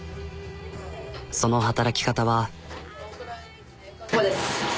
その働き方は。